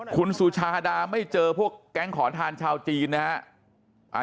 คุณสุชาดาไม่เจอพวกแก๊งขอทานชาวจีนนะฮะ